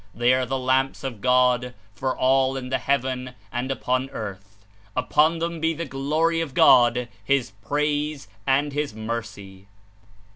They are the lamps of God for all in the heaven and upon earth. Upon them be the Glory of God, His Praise and His Mercy!